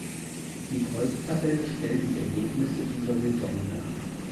Die Kreuztabelle stellt die Ergebnisse dieser Saison dar.